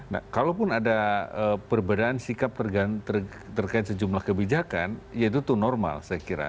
nah kalaupun ada perbedaan sikap terkait sejumlah kebijakan ya itu normal saya kira